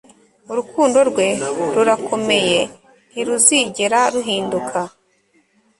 Urukundo rwe rurakomeye ntiruzigera ruhinduka